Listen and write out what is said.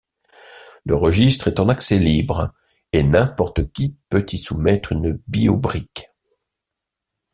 Le registre est en accès libre, et n'importe qui peut y soumettre une bio-brique.